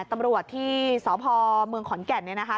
ตำรวจที่สพมขอนแก่ดนี่นะคะ